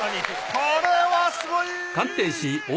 これはすごい！